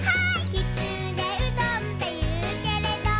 「きつねうどんっていうけれど」